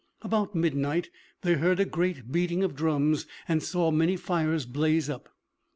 About midnight they heard a great beating of drums, and saw many fires blaze up.